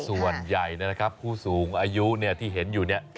ส่วนใหญ่นะครับผู้สูงอายุที่เห็นอยู่เนี่ย